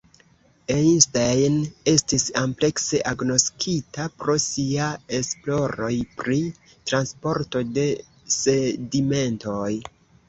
Einstein estis amplekse agnoskita pro sia esploroj pri transporto de sedimentoj.